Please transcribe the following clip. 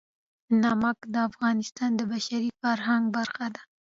نمک د افغانستان د بشري فرهنګ برخه ده.